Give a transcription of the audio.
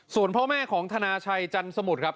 ส่วนพ่อแม่ของธนาชัยจันสมุทรครับ